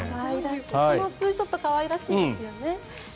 このツーショット可愛らしいですよね。